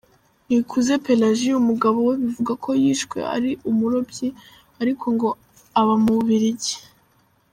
Nikuze Pelagie, umugabo we bivugwa ko yishwe ari umurobyi ariko ngo aba mu Bubiligi